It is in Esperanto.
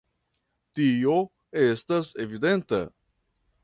Tio estas evidenta.